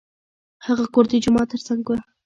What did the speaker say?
هغه کور د جومات تر څنګ و.